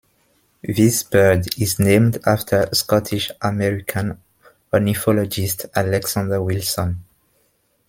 This bird is named after Scottish-American ornithologist Alexander Wilson.